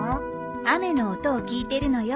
雨の音を聞いてるのよ。